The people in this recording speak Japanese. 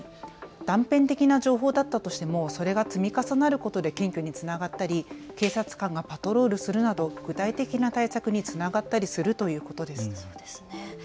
断片的な情報だったとしてもそれが積み重なることで検挙につながったり警察官がパトロールするなど具体的な対策につながったりするということです。